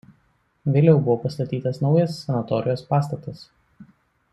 Vėliau buvo pastatytas naujas sanatorijos pastatas.